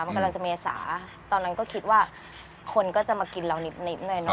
มันกำลังจะเมษาตอนนั้นก็คิดว่าคนก็จะมากินเรานิดหน่อยเนอ